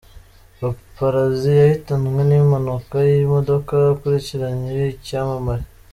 Paparazi yahitanwe n’impanuka y’imodoka akurikiranye icyamamare